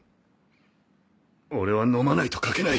俺は飲まないと書けない。